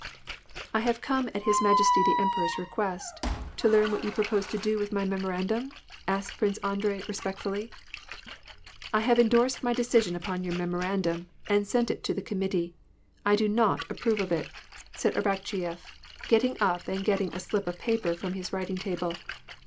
" I haye come at his majesty the emperor's request, to learn what you propose to do with my Memorandum ?" asked Prince Andrei respectfully. " I have indorsed my decision upon your manuscript, and sent it to the committee. I do not approve of it," said Arak cheyef, getting up and getting a slip of paper from his writing table.